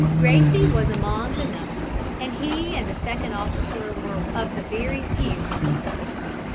Gracie was among the number and he and the second officer were of the very few who were saved.